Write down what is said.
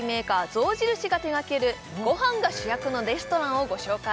象印が手がけるご飯が主役のレストランをご紹介